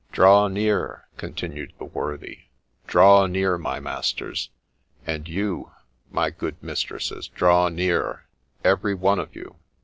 ' Draw near !' continued the worthy, ' draw near, my masters ! and you, my good mistresses, draw near, every one of you.